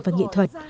và nghệ thuật